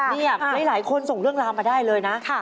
นี่หลายคนส่งเรื่องราวมาได้เลยนะ